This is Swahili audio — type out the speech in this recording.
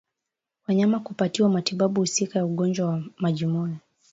Wanyama kupatiwa matibabu husika ya ugonjwa wa majimoyo